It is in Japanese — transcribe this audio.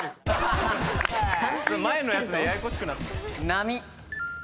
波。